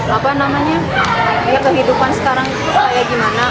apa namanya kehidupan sekarang itu kayak gimana